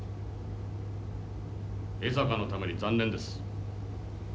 江坂のために残念です。